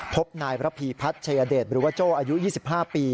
พบนายระพีพัฒน์ชายเดชหรือว่าโจ้อายุ๒๕ปี